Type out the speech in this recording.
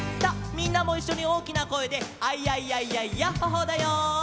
みんなもいっしょにおおきなこえで「アイヤイヤイヤイヤッホ・ホー」だよ。